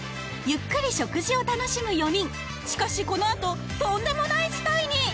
ゆっくり食事を楽しむ４人しかしこのあととんでもない事態に！